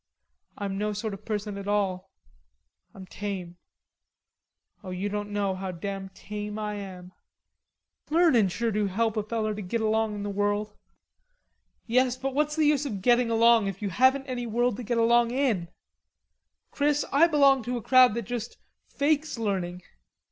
I'm no sort of a person at all. I'm tame. O you don't know how damn tame I am." "Learnin' sure do help a feller to git along in the world." "Yes, but what's the use of getting along if you haven't any world to get along in? Chris, I belong to a crowd that just fakes learning.